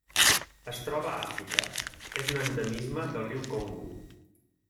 Es troba a Àfrica: és un endemisme del riu Congo.